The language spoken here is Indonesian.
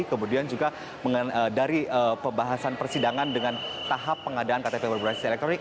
kemudian juga dari pembahasan persidangan dengan tahap pengadaan ktp berbasis elektronik